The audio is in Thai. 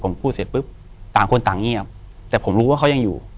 ผมพูดเสร็จปุ๊บต่างคนต่างเงียบแต่ผมรู้ว่าเขายังอยู่